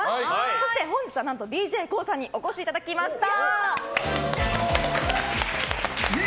そして本日はＤＪＫＯＯさんにお越しいただきました！